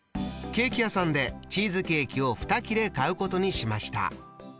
ケーキ屋さんでチーズケーキを２切れ買うことにしました。